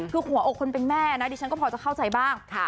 คือหัวอกคนเป็นแม่นะดิฉันก็พอจะเข้าใจบ้าง